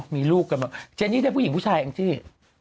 มีลูกกันมาเจนี่ได้ผู้หญิงผู้ชายแองจี้